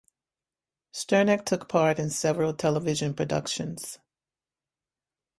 Sterneck took part in several television productions.